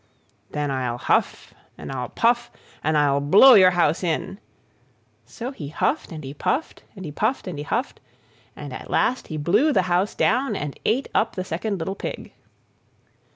"Then I'll puff and I'll huff, and I'll blow your house in!" So he huffed and he puffed, and he puffed and he huffed, and at last he blew the house down, and ate up the second little Pig.